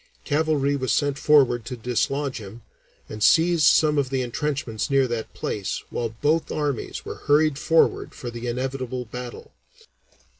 Cavalry was sent forward to dislodge him, and seized some of the entrenchments near that place, while both armies were hurried forward for the inevitable battle.